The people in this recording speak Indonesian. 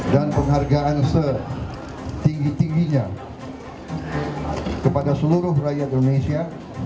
dan penghargaan setinggi tingginya kepada seluruh rakyat indonesia